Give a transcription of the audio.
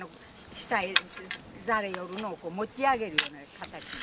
下へざれよるのをこう持ち上げるような形になる。